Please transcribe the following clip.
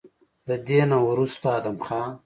د دې نه وروستو ادم خان